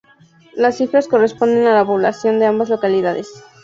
Las cifras corresponden a la población de ambas localidades.